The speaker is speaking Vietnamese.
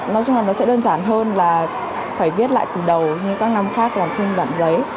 nó sẽ đơn giản hơn là phải viết lại từ đầu như các năm khác làm trên đoạn giấy